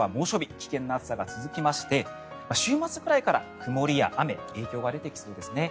危険な暑さが続きまして週末ぐらいから曇りや雨影響が出てきそうですね。